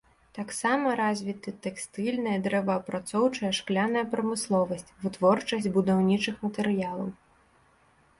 Таксама развіты тэкстыльная, дрэваапрацоўчая, шкляная прамысловасць, вытворчасць будаўнічых матэрыялаў.